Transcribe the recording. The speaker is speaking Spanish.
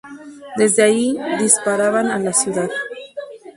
Desde ahí disparaban a la ciudad.